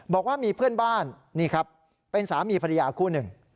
บอกว่ามีเพื่อนบ้านนี่ครับเป็นสามีภรรยาคู่หนึ่ง